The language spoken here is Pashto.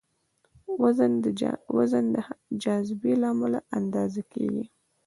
وزن د جاذبې له امله اندازه کېږي.